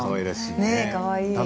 かわいい。